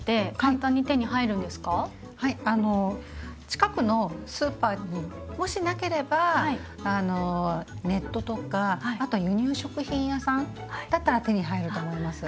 近くのスーパーにもしなければネットとかあと輸入食品屋さんだったら手に入ると思います。